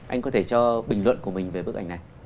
anh có thể cho bình luận của mình về bức ảnh này